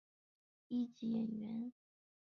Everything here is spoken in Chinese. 一级演员。